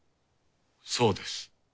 そうです。